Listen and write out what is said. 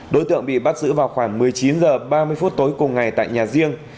đối tượng bị bắt giữ vào khoảng một mươi chín h ba mươi phút tối cùng ngày tại nhà riêng